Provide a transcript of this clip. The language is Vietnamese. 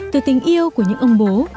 từ tình yêu của những ông bố